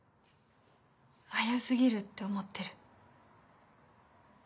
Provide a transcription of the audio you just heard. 早過ぎるって思ってる？